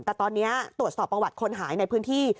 แต่ตอนนี้ตรวจสอบประวัติคนหายในพื้นที่